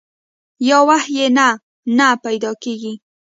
یا وحي نه نۀ پېدا کيږي